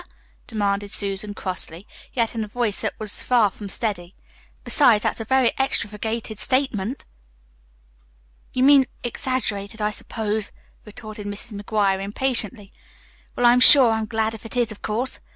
demanded Susan crossly, yet in a voice that was far from steady. "Besides, that's a very extravagated statement." "You mean exaggerated, I suppose," retorted Mrs. McGuire impatiently. "Well, I'm sure I'm glad if it is, of course.